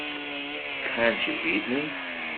Can't you read me?